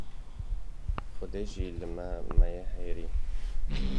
Xwedê jî li me maye heyirî!